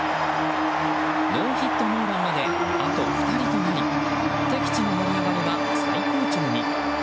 ノーヒットノーランまであと２人となり敵地の盛り上がりは最高潮に。